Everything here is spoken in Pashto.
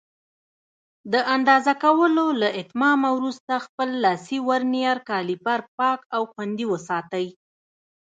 د اندازه کولو له اتمامه وروسته خپل لاسي ورنیر کالیپر پاک او خوندي وساتئ.